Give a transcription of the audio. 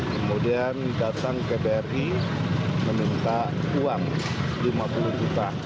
kemudian datang ke bri meminta uang rp lima puluh juta